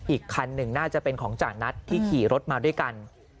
อีกคันหนึ่งน่าจะเป็นของจานัทที่ขี่รถมาด้วยกัน